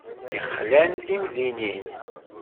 Yexlan timdinin.